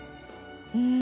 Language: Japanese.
うん。